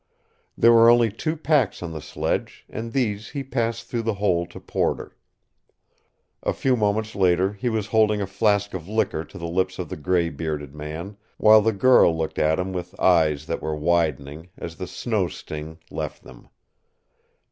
There were only two packs on the sledge, and these he passed through the hole to Porter. A few moments later he was holding a flask of liquor to the lips of the gray bearded man, while the girl looked at him with eyes that were widening as the snow sting left them.